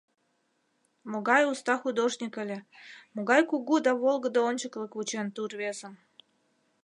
Могай уста художник ыле, могай кугу да волгыдо ончыкылык вучен ту рвезым.